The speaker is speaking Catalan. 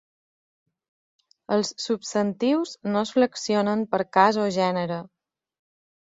Els substantius no es flexionen per cas o gènere.